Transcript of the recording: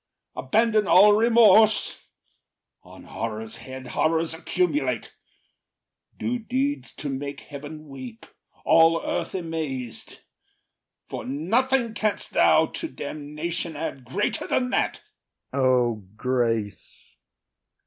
Abandon all remorse; On horror’s head horrors accumulate; Do deeds to make heaven weep, all earth amaz’d; For nothing canst thou to damnation add Greater than that. IAGO. O grace!